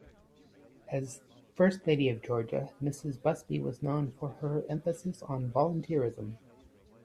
As First Lady of Georgia, Mrs. Busbee was known for her emphasis on volunteerism.